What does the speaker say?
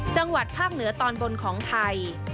จังหวัดภาคเหนือตอนบนของไทย